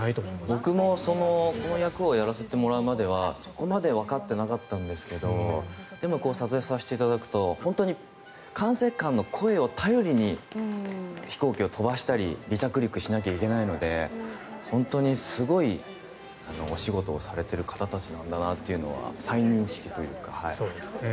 僕もこの役をやらせてもらうまではそこまでわかってなかったんですけどでも、撮影させていただくと本当に管制官の声を頼りに飛行機を飛ばしたり離着陸をしないといけないので本当にすごいお仕事をされている方たちなんだなというのは再認識というか。